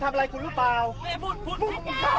แล้วผมปากหน้าผมทำอะไรคุณหรือเปล่า